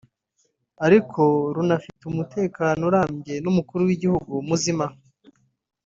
ariko runafite umutekano urambye n’Umukuru w’Igihugu muzima